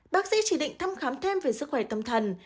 bác sĩ chỉ định thăm khám thêm về sức khỏe tâm thần